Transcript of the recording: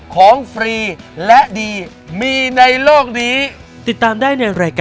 ของฟรีและดีมีในโลกนี้